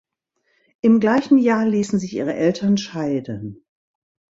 Im gleichen Jahr ließen sich ihre Eltern scheiden.